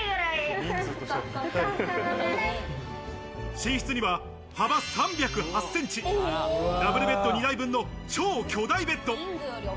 寝室には幅３０８ｃｍ、ダブルベッド２台分の超巨大ベッド。